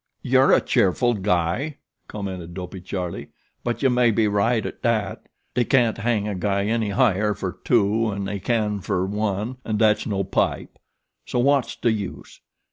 "You're a cheerful guy," commented Dopey Charlie; "but you may be right at dat. Dey can't hang a guy any higher fer two 'an they can fer one an' dat's no pipe; so wots de use.